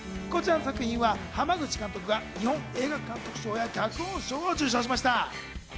こちらの作品は濱口監督が日本映画監督賞や脚本賞を受賞しました。